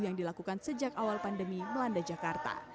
yang dilakukan sejak awal pandemi melanda jakarta